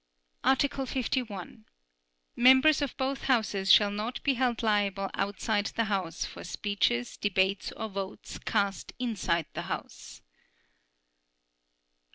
Article 51. Members of both Houses shall not be held liable outside the House for speeches, debates or votes cast inside the House.